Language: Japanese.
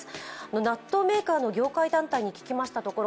納豆メーカーの業界団体に聞いたところ